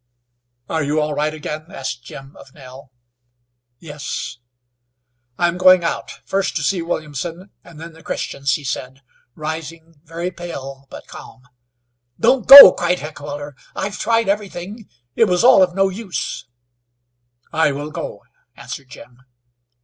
"Are you all right again?" asked Jim of Nell. "Yes." "I am going out, first to see Williamson, and then the Christians," he said, rising very pale, but calm. "Don't go!" cried Heckewelder. "I have tried everything. It was all of no use." "I will go," answered Jim.